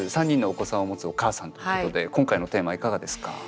３人のお子さんを持つお母さんということで今回のテーマいかがですか？